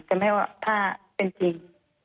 แต่แม่ว่าถ้าเป็นจริง